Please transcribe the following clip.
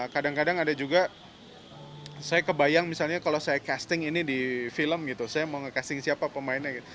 kadang kadang ada juga saya kebayang misalnya kalau saya casting ini di film gitu saya mau nge casting siapa pemainnya gitu